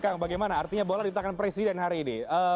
kang bagaimana artinya boleh ditahan presiden hari ini